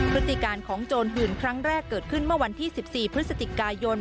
พฤติการของโจรหื่นครั้งแรกเกิดขึ้นเมื่อวันที่๑๔พฤศจิกายน